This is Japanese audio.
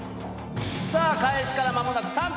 さあ開始から間もなく３分。